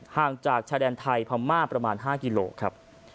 ห่างจากชายแดนไทยพม่าประมาณ๕กิโลครับ